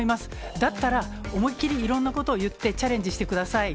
だったら、思いっ切りいろんなことを言ってチャレンジしてください。